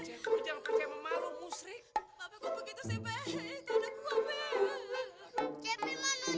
asal tante mak mau nurutin kemauan cepi